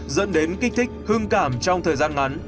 dẫn đến kích thích hưng cảm trong thời gian ngắn